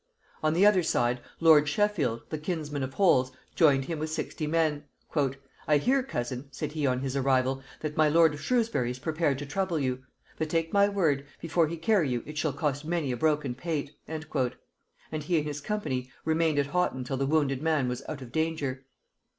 On the other side lord Sheffield, the kinsman of Holles, joined him with sixty men. "I hear, cousin," said he on his arrival, "that my lord of Shrewsbury is prepared to trouble you; but take my word, before he carry you it shall cost many a broken pate;" and he and his company remained at Haughton till the wounded man was out of danger.